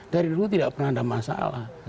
dari dulu tidak pernah ada masalah